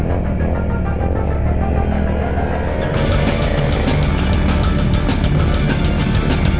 papar mengiti kleburan